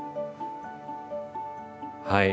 はい。